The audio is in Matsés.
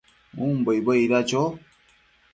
umbo icbuedida cho?